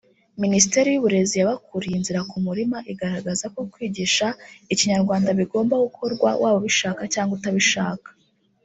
Minisiteri y’Uburezi yabakuriye inzira ku murima igaragaza ko kwigisha Ikinyarwanda bigomba gukorwa waba ubishaka cyangwa utabishaka